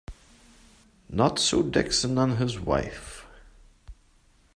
Not so Dickson and his wife.